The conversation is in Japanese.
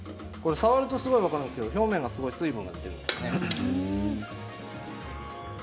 触ると分かるんですけど表面、すごい水分が出ているんですね。